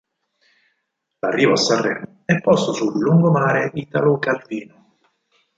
L'arrivo a Sanremo è posto sul Lungomare Italo Calvino.